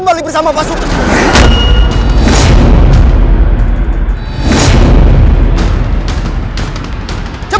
kalian milik rakyat